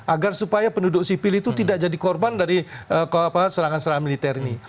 agar supaya penduduk sipil itu tidak jadi korban dari serangan serangan militer ini